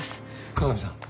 加賀美さん。